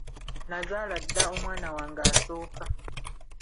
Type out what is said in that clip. Nazaala dda omwana wange asooka.